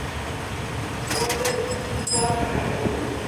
Sanaa yangu itanilipa siku moja